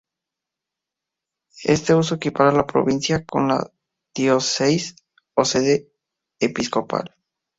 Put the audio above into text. Este uso equipara la provincia con la diócesis o sede episcopal.